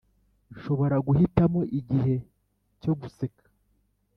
nshobora guhitamo igihe cyo guseka,